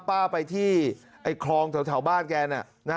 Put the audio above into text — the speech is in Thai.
ป้าไปที่คลองแถวบ้านแกน่ะ